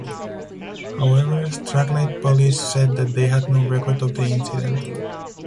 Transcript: However, Strathclyde Police said that they had no record of the incident.